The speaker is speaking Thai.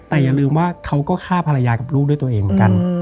แต่อย่าลืมว่าเขาก็ฆ่าภรรยากับลูกด้วยตัวเองเหมือนกัน